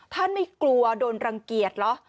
ไม่กลัวโดนรังเกียจเหรอ